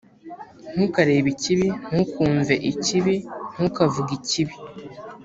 ntukarebe ikibi, ntukumve ikibi, ntukavuge ikibi